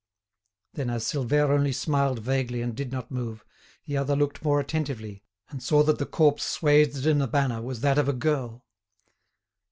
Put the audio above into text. Then, as Silvère only smiled vaguely and did not move, the other looked more attentively, and saw that the corpse swathed in the banner was that of a girl.